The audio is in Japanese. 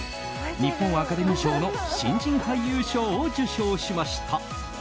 日本アカデミー賞の新人俳優賞を受賞しました。